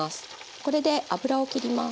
これで油を切ります。